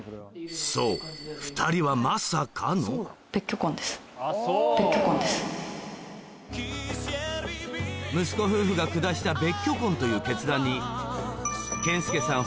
そう２人はまさかの息子夫婦が下した別居婚という決断に健介さん